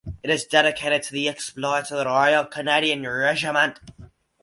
It is dedicated to the exploits of The Royal Canadian Regiment.